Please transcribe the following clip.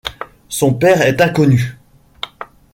Son père est inconnu.